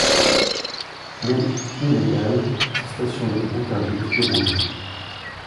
Mais, illégales, ces stations étaient interdites et brouillées.